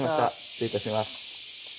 失礼いたします。